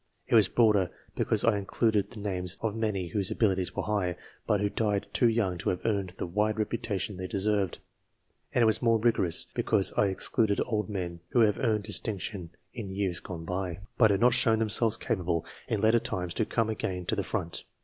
It was broader, because I included the names of many whose abilities were high, but who died too young to have earned the wide reputation they deserved ; and it was more rigorous, because I excluded old men who had earned distinction in years gone by, but had not shown themselves capable in later times to come again to the front.